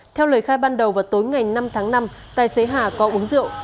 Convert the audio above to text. theo lời khai ban đầu vào tối ngày năm tháng năm tài xế hà có uống rượu